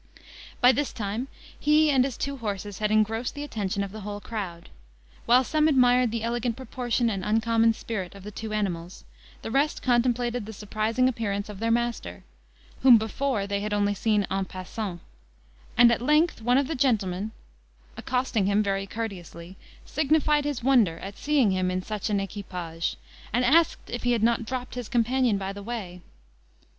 By this time he and his two horses had engrossed the attention of the whole crowd: while some admired the elegant proportion and uncommon spirit of the two animals, the rest contemplated the surprising appearance of their master, whom before they had only seen en passant; and at length, one of the gentlemen, accosting him very courteously, signified his wonder at seeing him in such an equipage, and asked if he had not dropped his companion by the way.